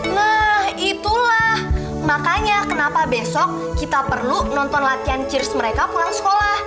nah itulah makanya kenapa besok kita perlu nonton latihan cheers mereka pulang sekolah